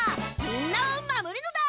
みんなをまもるのだ！